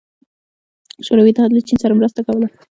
شوروي اتحاد له چین سره مرسته کوله.